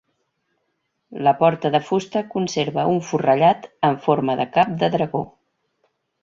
La porta de fusta conserva un forrellat amb forma de cap de dragó.